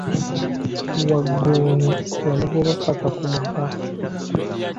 Wagggoonya yamugoba ppaka ku mugga.